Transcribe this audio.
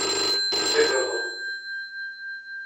Tettagadeḍ.